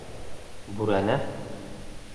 Бүрәнә!